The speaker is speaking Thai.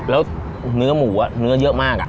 แล้วเนื้อหมูเนื้อเยอะมาก